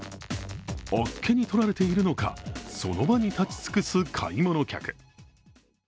あっけにとられているのか、その場に立ち尽くす買い物客。